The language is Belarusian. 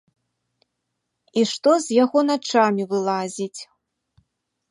І што з яго начамі вылазіць.